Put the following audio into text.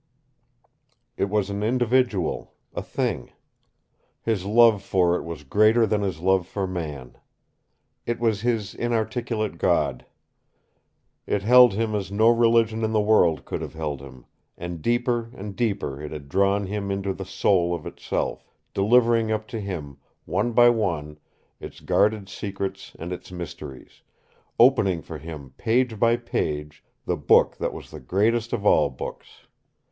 It was an individual, a thing. His love for it was greater than his love for man. It was his inarticulate God. It held him as no religion in the world could have held him, and deeper and deeper it had drawn him into the soul of itself, delivering up to him one by one its guarded secrets and its mysteries, opening for him page by page the book that was the greatest of all books.